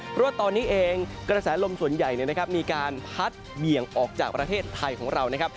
เพราะว่าตอนนี้เองกระแสลมส่วนใหญ่มีการพัดเบี่ยงออกจากประเทศไทยของเรานะครับ